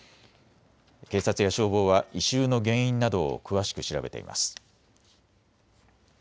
警察や消防は異臭の原因などを詳しく調べています。